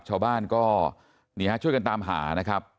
เช้าบ้านก็ช่วยกันตามหานะครับ